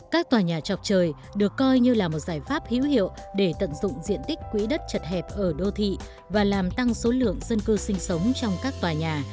các tòa nhà trọc trời được coi như là một giải pháp hữu hiệu để tận dụng diện tích quỹ đất chật hẹp ở đô thị và làm tăng số lượng dân cư sinh sống trong các tòa nhà